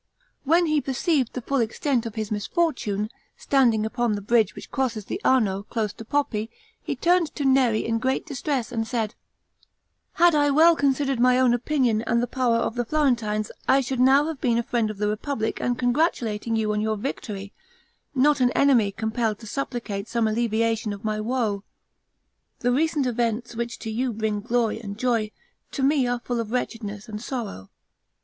When he perceived the full extent of his misfortune, standing upon the bridge which crosses the Arno, close to Poppi, he turned to Neri in great distress, and said, "Had I well considered my own position and the power of the Florentines, I should now have been a friend of the republic and congratulating you on your victory, not an enemy compelled to supplicate some alleviation of my woe. The recent events which to you bring glory and joy, to me are full of wretchedness and sorrow.